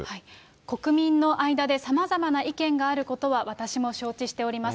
国民の間でさまざまな意見があることは、私も承知しております。